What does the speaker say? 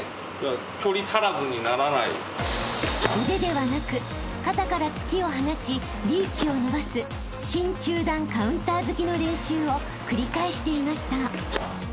［腕ではなく肩から突きを放ちリーチを伸ばす新中段カウンター突きの練習を繰り返していました］